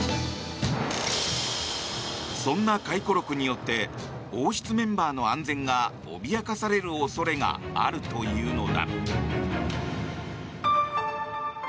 そんな回顧録によって王室メンバーの安全が脅かされる恐れがあるというのだ。